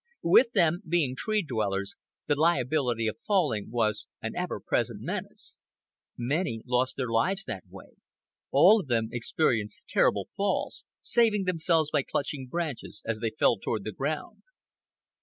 With them, being tree dwellers, the liability of falling was an ever present menace. Many lost their lives that way; all of them experienced terrible falls, saving themselves by clutching branches as they fell toward the ground.